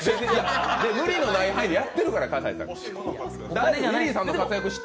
無理のない範囲でやってますから、葛西さんね。